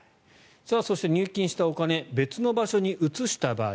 そして、入金したお金別の場所に移した場合。